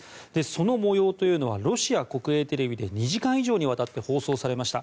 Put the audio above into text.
その模様はロシア国営テレビで２時間以上にわたって放送されました。